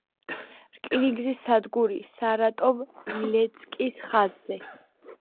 რკინიგზის სადგური სარატოვ—ილეცკის ხაზზე.